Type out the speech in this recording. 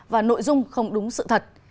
và nội dung không đúng sự thật